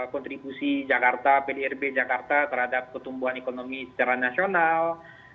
kontribusi jakarta pdrb jakarta terhadap pertumbuhan ekonomi secara nasional